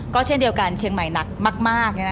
ก็เช่นเดียวกันเชียงใหม่หนักมาก